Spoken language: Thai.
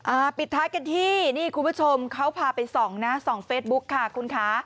ปิดท้ายกันที่นี่คุณผู้ชมเขาพาไปส่องนะส่องเฟซบุ๊คค่ะคุณคะ